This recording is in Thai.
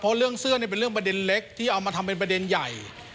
เพราะเรื่องเสื้อนี่เป็นเรื่องประเด็นเล็กที่เอามาทำเป็นประเด็นใหญ่